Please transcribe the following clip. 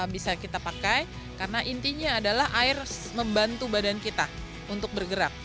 bisa kita pakai karena intinya adalah air membantu badan kita untuk bergerak